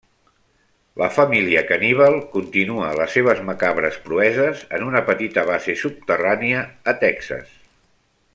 La família caníbal continua les seves macabres proeses en una petita base subterrània a Texas.